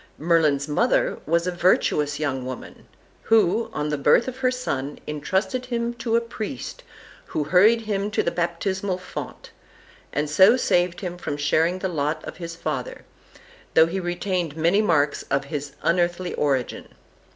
Merlin's mother was a virtuous young woman, who, on the birth of her son, intrusted him to a priest, who hurried him to the baptismal fount, and so saved him from sharing the lot of his father, though he retained many marks of his unearthly origin.